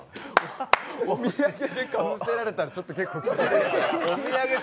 お土産でかぶせられたらちょっと「お土産」